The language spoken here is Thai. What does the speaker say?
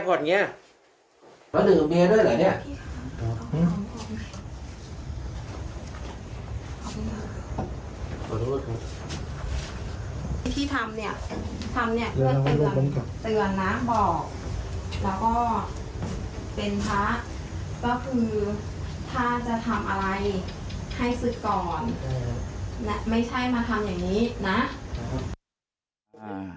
ถ้าจะทำอะไรให้ศึกก่อนไม่ใช่มาทำอย่างนี้นะ